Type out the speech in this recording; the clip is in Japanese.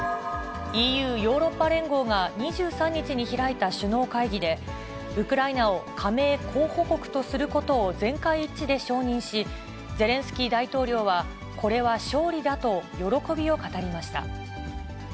ＥＵ・ヨーロッパ連合が２３日に開いた首脳会議で、ウクライナを加盟候補国とすることを全会一致で承認し、ゼレンスキー大統領は、これは勝利だと喜びを語りました。